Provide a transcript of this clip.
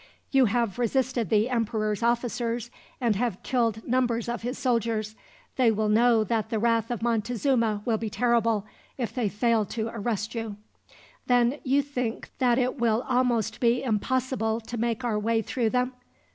"You have resisted the emperor's officers, and have killed numbers of his soldiers. They will know that the wrath of Montezuma will be terrible, if they fail to arrest you." "Then you think that it will almost be impossible to make our way through them?"